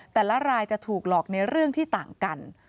แต่ละรายจะถูกหลอกในเรื่องที่ต่างกัน